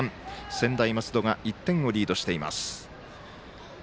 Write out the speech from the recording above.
専大松戸が１点をリードしています。